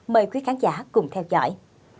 mời quý khán giả cùng theo dõi